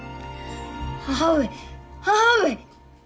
母上母上！